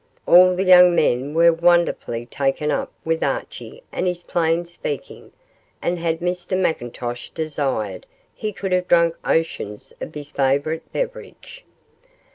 All the young men were wonderfully taken up with Archie and his plain speaking, and had Mr McIntosh desired he could have drunk oceans of his favourite beverage.